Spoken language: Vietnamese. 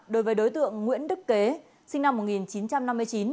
đối với đối tượng nguyễn đức kế sinh năm một nghìn chín trăm năm mươi chín